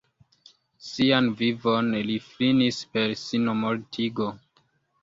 Sian vivon li finis per sinmortigo.